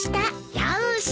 よし！